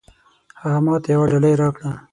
هغه ماته يوه ډالۍ راکړه.